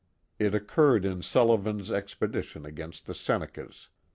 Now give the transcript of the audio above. It occurred in Sullivan's expedition against the Senecas.